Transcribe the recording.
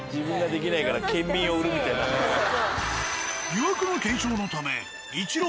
疑惑の検証のため一路